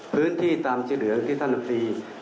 พื้นที่ตามสีเหลืองที่ท่านลำตรี